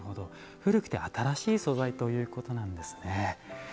古くて新しい素材ということなんですね。